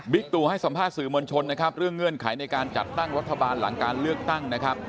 ตู่ให้สัมภาษณ์สื่อมวลชนนะครับเรื่องเงื่อนไขในการจัดตั้งรัฐบาลหลังการเลือกตั้งนะครับ